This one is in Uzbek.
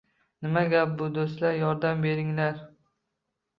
Nima gap bu, do’stlar? Yordam beringlar